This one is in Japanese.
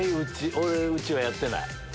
うちはやってない。